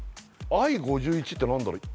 Ｉ５１って何だろう？